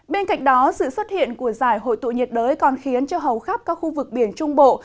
bên cạnh đó sự xuất hiện của giải hội tụ nhiệt đới còn khiến cho hầu khắp các khu vực biển trung bộ